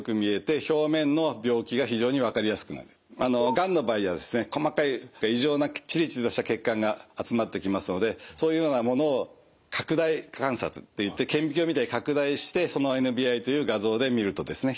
がんの場合はですね細かい異常なチリチリとした血管が集まってきますのでそういうようなものを拡大観察っていって顕微鏡みたいに拡大してそのＮＢＩという画像で見るとですね